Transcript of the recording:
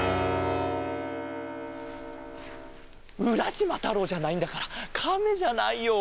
うらしまたろうじゃないんだからカメじゃないよ。